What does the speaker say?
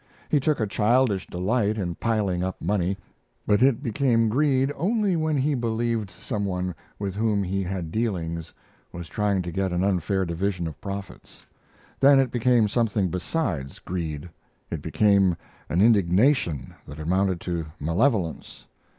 He took a childish delight in piling up money; but it became greed only when he believed some one with whom he had dealings was trying to get an unfair division of profits. Then it became something besides greed. It became an indignation that amounted to malevolence.